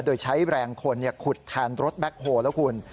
โดยใช้แรงคนขุดแทนรถแบ็คโฮลแล้วคุณ